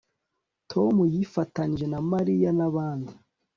Tom yifatanije na Mariya nabandi